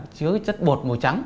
chứa chất bột màu trắng